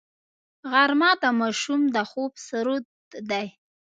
غرمه د ماشوم د خوب سرود دی